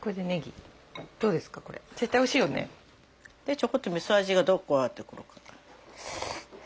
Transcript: ちょこっと味噌味がどう加わってくるか。